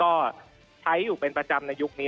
ก็ใช้อยู่เป็นประจำในยุคนี้